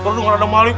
baru ada maling